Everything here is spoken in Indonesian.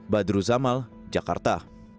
badru zamal jakarta